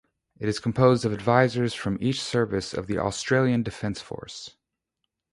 It is composed of advisers from each service of the Australian Defence Force.